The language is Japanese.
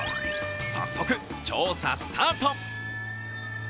早速調査スタート。